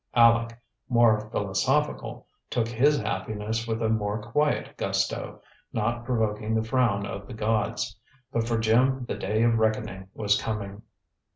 Aleck, more philosophical, took his happiness with a more quiet gusto, not provoking the frown of the gods. But for Jim the day of reckoning was coming.